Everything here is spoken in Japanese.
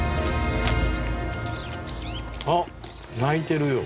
あっ鳴いてるよ。